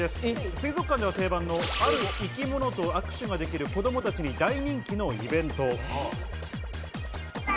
水族館では定番のある生き物と握手ができる、子供たちに大人気のイベント。